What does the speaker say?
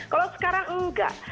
kalau sekarang nggak